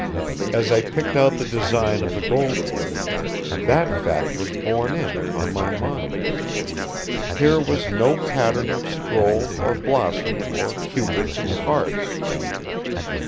As I picked out the design of the gold work, that fact was borne in upon my mind. Here was no pattern of scroll or blossom or cupids and hearts.